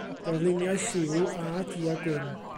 Darluniau lliw a du-a-gwyn.